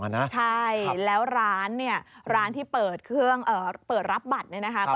ใช่แล้วร้านที่เปิดรับบัตร